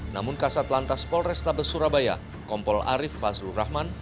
namun kasat lantas polrestabes surabaya kompol arief fazrul rahman